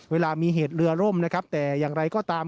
เวลามีเหตุเรือล่มนะครับแต่อย่างไรก็ตาม